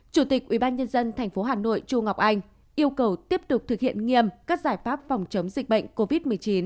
chủ tịch ubnd tp hà nội chu ngọc anh yêu cầu tiếp tục thực hiện nghiêm các giải pháp phòng chống dịch bệnh covid một mươi chín